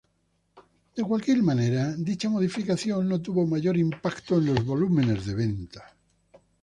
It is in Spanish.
De cualquier manera dicha modificación no tuvo mayor impacto en los volúmenes de venta